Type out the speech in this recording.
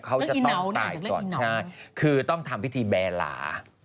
เขาจะต้องตายก่อนใช่คือต้องทำพิธีแบร์หลา